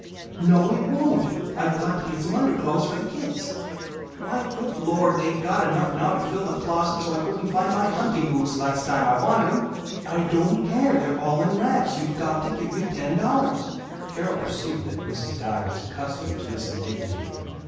"No, it won't! I've got to get some underclothes for the kids." "Why, good Lord, they got enough now to fill the closet so I couldn't find my hunting boots, last time I wanted them." "I don't care. They're all in rags. You got to give me ten dollars " Carol perceived that Mrs. Dyer was accustomed to this indignity.